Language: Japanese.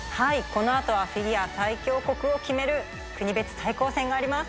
このあとはフィギュア最強国を決める国別対抗戦があります。